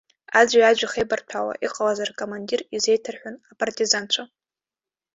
Аӡәи-аӡәи хеибарҭәаауа, иҟалаз ркомадир изеиҭарҳәон апартизанцәа.